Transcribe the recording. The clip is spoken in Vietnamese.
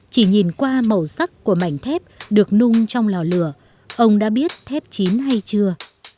chỉ nhìn qua màu sắc của mảnh thép được nung trong lò lửa ông đã biết chín hay chưa